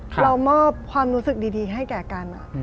เรามอบความรู้สึกดีให้แก่กัน